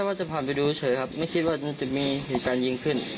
ว่าจะผ่านไปดูเฉยครับไม่คิดว่ามันจะมีเหตุการณ์ยิงขึ้น